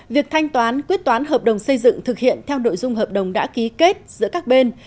việc thanh toán quyết toán hợp đồng xây dựng thực hiện theo nội dung hợp đồng đã ký kết giữa các bên